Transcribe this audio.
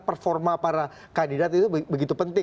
performa para kandidat itu begitu penting